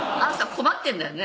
困ってんだよね